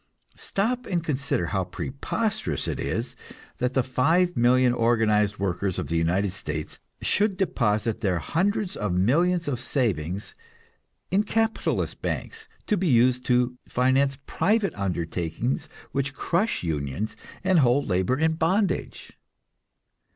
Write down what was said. Stop and consider how preposterous it is that the five million organized workers of the United States should deposit their hundreds of millions of savings in capitalist banks, to be used to finance private undertakings which crush unions and hold labor in bondage.